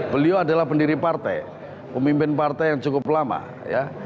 beliau adalah pendiri partai pemimpin partai yang cukup lama ya